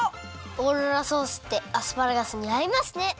オーロラソースってアスパラガスにあいますね！